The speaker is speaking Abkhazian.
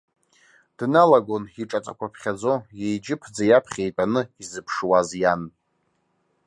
Дналагон, иҿаҵақәа ԥхьаӡо, еиџьыԥӡа иаԥхьа итәаны изыԥшуаз иан.